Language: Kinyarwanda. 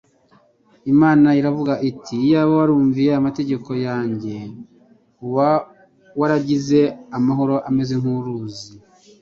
Imana iravuga iti: "Iyaba warumviye amategeko yanjye uba waragize amahoro ameze nk'uruzi,